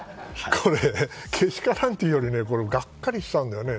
これ、けしからんというよりねがっかりしたんだよね。